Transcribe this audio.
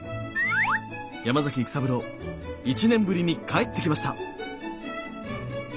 山崎育三郎１年ぶりに帰ってきました。